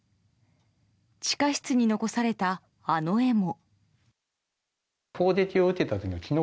地下室に残された、あの絵も。